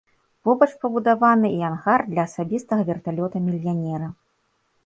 Побач пабудаваны і ангар для асабістага верталёта мільянера.